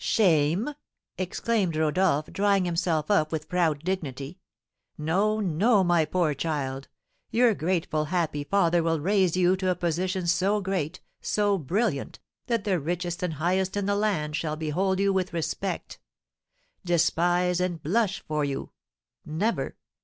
"Shame!" exclaimed Rodolph, drawing himself up with proud dignity; "no, no, my poor child, your grateful, happy father will raise you to a position so great, so brilliant, that the richest and highest in the land shall behold you with respect. Despise and blush for you! never!